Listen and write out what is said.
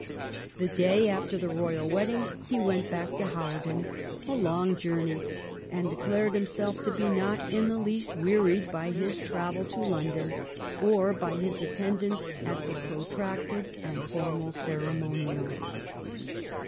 The day after the royal wedding he went back to Hawar den — a long journey — and declared himself to be not in the least wearied by his travel to London, or by his attendance at the protracted and formal ceremonial.